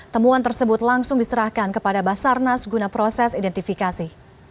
temuan tersebut langsung diserahkan kepada basarnas guna proses identifikasi